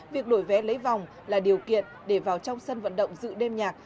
việc đổi vé lấy vòng là điều kiện để vào trong sân vận động dự đêm nhạc